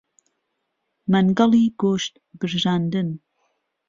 مەنگەڵی گۆشت برژاندن